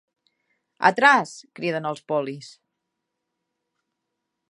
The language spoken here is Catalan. ¡¡Atrás! —criden els polis.